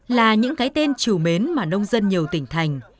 là những cái tên trù mến mà nông dân nhiều tỉnh thành